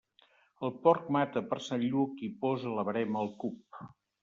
El porc mata per Sant Lluc i posa la verema al cup.